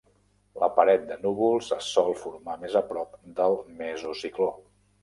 La paret de núvols es sol formar més a prop del mesocicló.